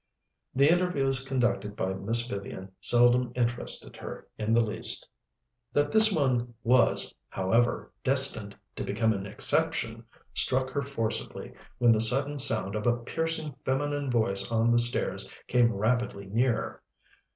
The interviews conducted by Miss Vivian seldom interested her in the least. That this one was, however, destined to become an exception, struck her forcibly when the sudden sound of a piercing feminine voice on the stairs came rapidly nearer.